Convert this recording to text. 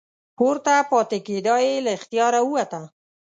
پورته پاتې کیدا یې له اختیاره ووته.